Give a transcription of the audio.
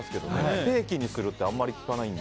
ステーキにするってあまり聞かないので。